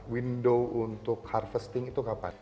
window untuk harvesting itu kapan